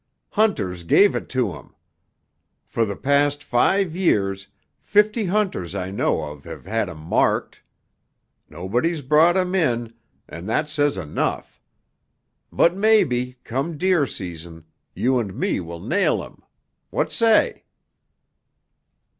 Hunters gave it to him. For the past five years, fifty hunters I know of have had him marked. Nobody's brought him in, and that says enough. But maybe, come deer season, you and me will nail him. What say?"